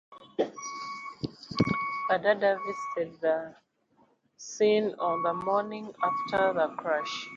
Adada visited the scene on the morning after the crash.